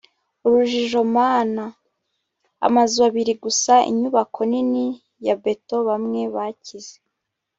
urujijo mana! amazu abiri gusa, inyubako nini ya beto bamwe bakize